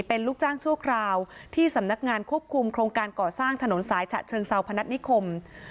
เป็นลูกจ้างชั่วคราวที่สำนักงานควบคุมโครงการก่อสร้างถนนสายฉะเชิงเซาพนัฐนิคม